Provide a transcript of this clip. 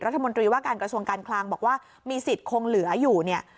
รัฐมนตรีว่าการกระทรวงการคลังบอกว่ามีสิทธิ์คงเหลืออยู่เนี่ย